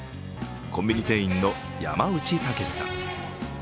コンビニ店員の山内剛さん。